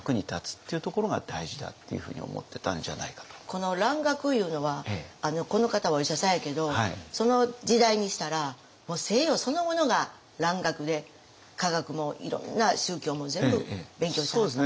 この蘭学いうのはこの方はお医者さんやけどその時代にしたらもう西洋そのものが蘭学で科学もいろんな宗教も全部勉強してはったんですかね。